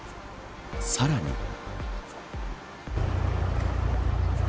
さらに。